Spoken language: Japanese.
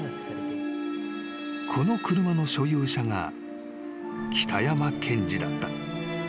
［この車の所有者が北山健治だった］